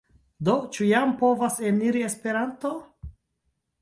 Do, ĉu jam povas eniri Esperanto?